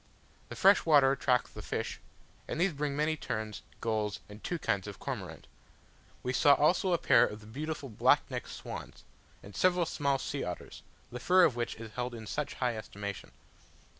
The fresh water attracts the fish, and these bring many terns, gulls, and two kinds of cormorant. We saw also a pair of the beautiful black necked swans, and several small sea otters, the fur of which is held in such high estimation.